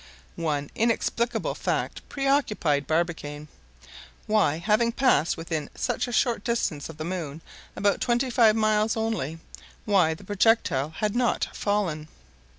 One inexplicable fact preoccupied Barbicane. Why, having passed within such a short distance of the moon—about twenty five miles only—why the projectile had not fallen?